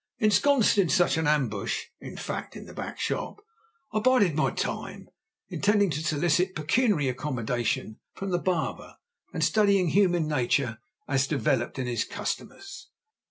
Ensconced in such an ambush—in fact, in the back shop—I bided my time, intending to solicit pecuniary accommodation from the barber, and studying human nature as developed in his customers.